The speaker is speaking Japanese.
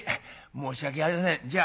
「申し訳ありませんじゃあ。